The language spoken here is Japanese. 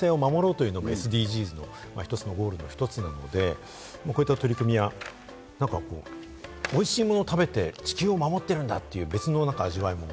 生物多様性を守ろうというのもＳＤＧｓのゴールの一つなので、こういった取り組みはおいしいもの食べて、地球を守っているんだという別の味わいも。